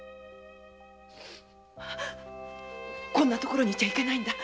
こんな所にいちゃいけないんだ。